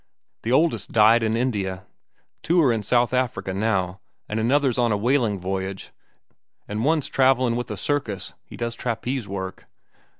The oldest died in India. Two are in South Africa now, an' another's on a whaling voyage, an' one's travellin' with a circus—he does trapeze work.